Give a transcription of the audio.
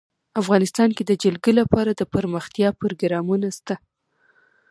افغانستان کې د جلګه لپاره دپرمختیا پروګرامونه شته.